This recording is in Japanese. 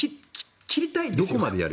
切りたいですよ。